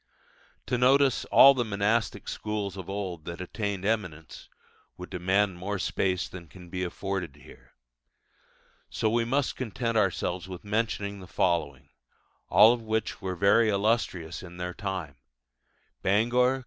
To notice all the monastic schools of old that attained eminence would demand more space than can be afforded here. So we must content ourselves with mentioning the following, all of which were very illustrious in their time: Bangor (Co.